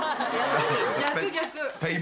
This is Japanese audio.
逆、逆。